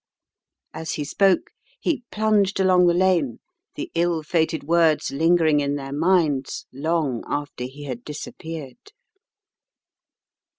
As he spoke, he plunged along the lane, the ill fated words lingering in their minds long after he had disappeared.